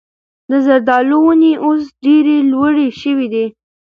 د زردالو ونې اوس ډېرې لوړې شوي دي.